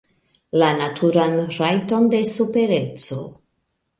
La naturan rajton de supereco.